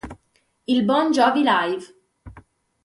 Il Bon Jovi Live!